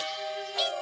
・みんな！